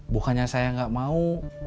bukannya saya gak mau